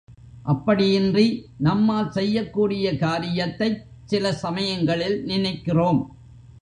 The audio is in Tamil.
அப்படியின்றி நம்மால் செய்யக்கூடிய காரியத்தைச் சில சமயங்களில் நினைக்கிறோம்.